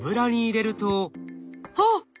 あっ！